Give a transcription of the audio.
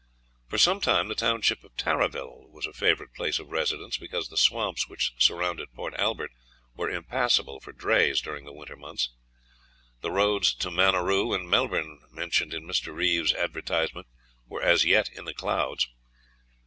For some time the township of Tarraville was a favourite place of residence, because the swamps which surrounded Port Albert were impassable for drays during the winter months; the roads to Maneroo and Melbourne mentioned in Mr. Reeve's advertisement were as yet in the clouds.